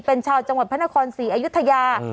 เป็นชาวจังหวัดพระนครศรีอยุธยา